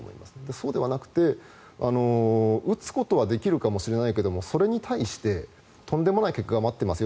そうではなくて、撃つことはできるかもしれないけどもそれに対してとんでもない結果が待っています